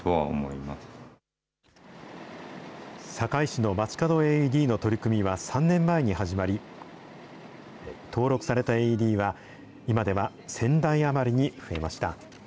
堺市のまちかどＡＥＤの取り組みは３年前に始まり、登録されたＡＥＤは、今では１０００台余りに増えました。